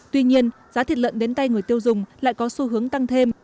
tuy nhiên giá thịt lợn đến tay người tiêu dùng lại có xu hướng tăng thêm